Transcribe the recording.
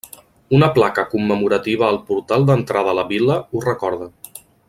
Una placa commemorativa al portal d'entrada a la Vil·la ho recorda.